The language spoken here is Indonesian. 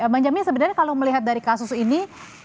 bang jamin sebenarnya kalau melihat dari kasus ini